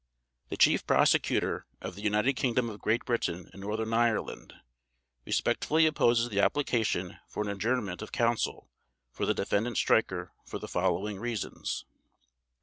The Chief Prosecutor of the United Kingdom of Great Britain and Northern Ireland respectfully opposes the application for an adjournment of Counsel for the Defendant STREICHER for the following reasons: I.